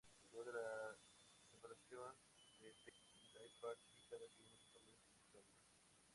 Luego de la separación de The Birthday Party, cada miembro toma distintos caminos.